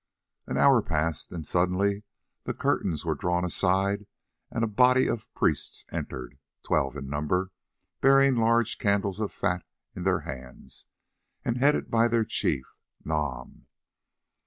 Another hour passed, and suddenly the curtains were drawn aside and a body of priests entered, twelve in number, bearing large candles of fat in their hands, and headed by their chief, Nam.